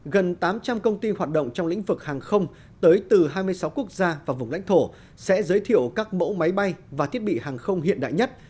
gần tám trăm linh công ty hoạt động trong lĩnh vực hàng không tới từ hai mươi sáu quốc gia và vùng lãnh thổ sẽ giới thiệu các mẫu máy bay và thiết bị hàng không hiện đại nhất